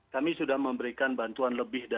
kami sudah memberikan bantuan semaksimal mungkin